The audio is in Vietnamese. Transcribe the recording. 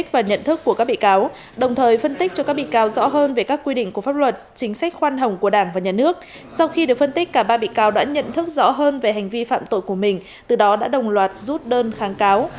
sau khi được phân tích cho các bị cáo rõ hơn về các quy định của pháp luật chính sách khoan hồng của đảng và nhà nước sau khi được phân tích cả ba bị cáo đã nhận thức rõ hơn về hành vi phạm tội của mình từ đó đã đồng loạt rút đơn kháng cáo